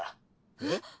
えっ？